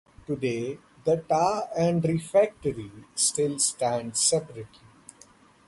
Today, the tower and refectory still stand separately.